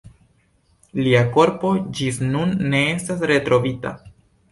Lia korpo ĝis nun ne estas retrovita.